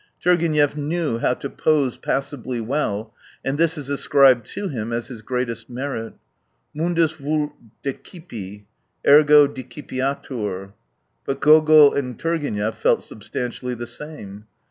Turgenev knew how to pose passably well, and this is ascribed to him as his greatest merit. Mundus vult decifi, ergo decipiatur. But Gogol and Turgenev felt substantially the same.